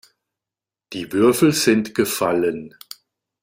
Die Würfel sind gefallen.